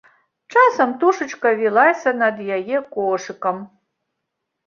Часам птушачка вілася над яе кошыкам.